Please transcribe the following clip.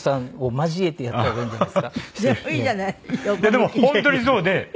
でも本当にそうで。